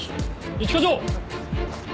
一課長！